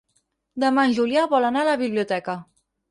Demà en Julià vol anar a la biblioteca.